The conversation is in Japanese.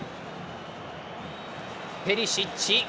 ペリシッチ。